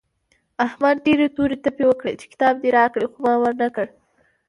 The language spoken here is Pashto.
احمد ډېرې تورې تپې وکړې چې کتاب دې راکړه خو ما ور نه کړ.